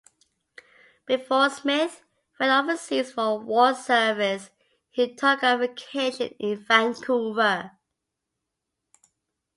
Before Smith went overseas for war service he took a vacation in Vancouver.